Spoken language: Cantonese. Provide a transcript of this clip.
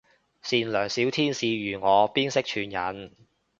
善良小天使如我邊識串人